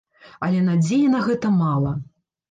Але надзеі на гэта мала!